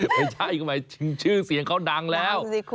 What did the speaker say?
ไม่ใช่ชื่อเสียงเขาดังแล้ว